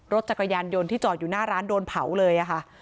รถจักรยานยนต์ที่จอดอยู่หน้าร้านโดนเผาเลยค่ะ